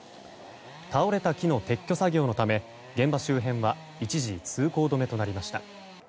倒れた木の撤去作業のため現場周辺は一時通行止めとなりました。